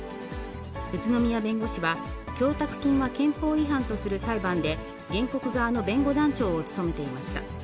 宇都宮弁護士は、供託金は憲法違反とする裁判で原告側の弁護団長を務めていました。